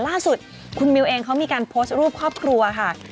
ล่าสุดคุณมิวเองเขามีการโพสต์รูปครอบครัวค่ะ